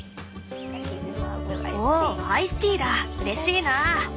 「おおアイスティーだうれしいな」。